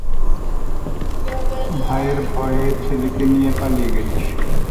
ভাইয়ের ভয়ে ছেলেকে নিয়ে পালিয়ে গেছে সে।